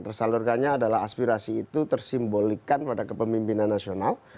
tersalurkannya adalah aspirasi itu tersimbolikan pada kepemimpinan nasional